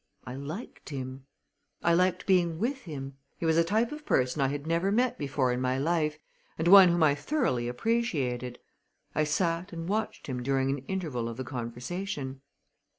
I liked him. I liked being with him. He was a type of person I had never met before in my life and one whom I thoroughly appreciated. I sat and watched him during an interval of the conversation.